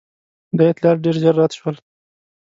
دا اطلاعات ډېر ژر رد شول.